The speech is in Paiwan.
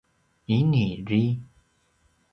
ini dri